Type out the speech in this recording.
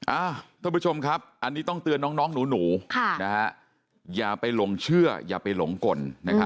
ท่านผู้ชมครับอันนี้ต้องเตือนน้องหนูอย่าไปหลงเชื่ออย่าไปหลงกล